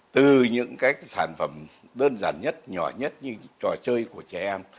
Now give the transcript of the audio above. từ những cái sản phẩm đơn giản nhất nhỏ nhất như trò chơi của trẻ em